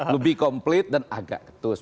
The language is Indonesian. lebih komplit dan agak ketus